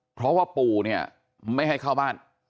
เพราะว่าปู่เนี่ยไม่ให้เข้าบ้าน